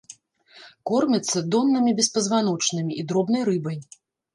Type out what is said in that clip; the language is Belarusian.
Кормяцца доннымі беспазваночнымі і дробнай рыбай.